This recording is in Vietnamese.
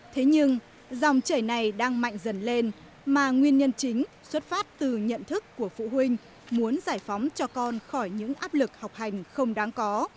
thế nhưng dòng chảy này đang mạnh dần lên mà nguyên nhân chính xuất phát từ nhận thức của phụ huynh muốn giải phóng cho con khỏi những áp lực học hành không đáng có